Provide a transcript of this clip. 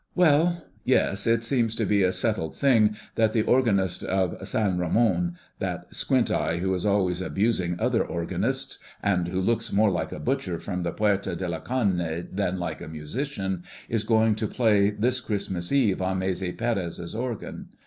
"Well, yes, it seems to be a settled thing that the organist of San Ramón, that squint eye who is always abusing other organists, and who looks more like a butcher from the Puerta de la Carne than like a musician, is going to play this Christmas Eve on Maese Pérez's organ.